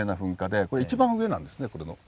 一番上なんですねこれの。